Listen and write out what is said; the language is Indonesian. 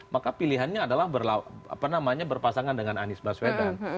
maka pilihannya adalah berpasangan dengan anies baswedan